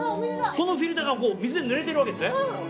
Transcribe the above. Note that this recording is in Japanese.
このフィルターが水でぬれているわけですね。